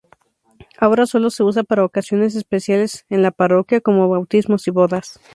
Ahora solo se usa para ocasiones especiales en la parroquia, como bautismos y bodas.